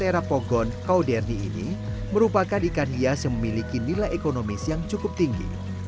daerah pogon kauderni ini merupakan ikan hias yang memiliki nilai ekonomis yang cukup tinggi